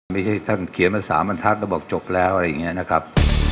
ไม่ใช่ท่านเขียนมา๓บรรทัศน์แล้วบอกจบแล้วอะไรอย่างนี้นะครับ